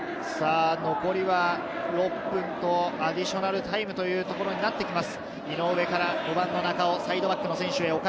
残りは６分と、アディショナルタイムということになってきます。